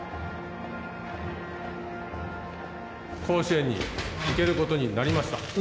甲子園に行けることになりました。